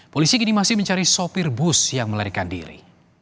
polisi kini masih mencari sopir bus yang melarikan diri